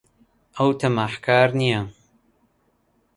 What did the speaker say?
ئەو تەماحکار نییە.